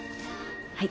はい。